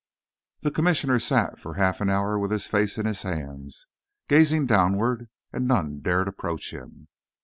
The Commissioner sat for half an hour with his face in his hands, gazing downward, and none dared approach him.